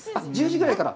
１０時ぐらいから。